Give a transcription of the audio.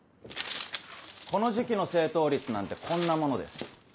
この時期の正答率なんてこんなものです。